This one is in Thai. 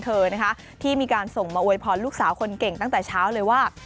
เธอนะคะที่มีการส่งมาอวยพรลูกสาวคนเก่งตั้งแต่เช้าเลยว่า